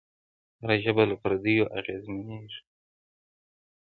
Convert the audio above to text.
هره ژبه له پردیو اغېزمنېږي.